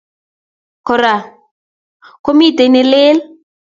Kora komitei ne lel.